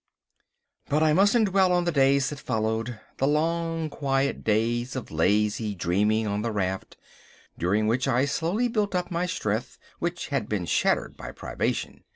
But I mustn't dwell on the days that followed—the long quiet days of lazy dreaming on the raft, during which I slowly built up my strength, which had been shattered by privation.